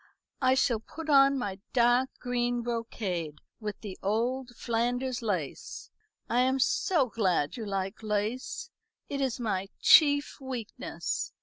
I shall put on my dark green brocade with the old Flanders lace. I am so glad you like lace. It is my chief weakness.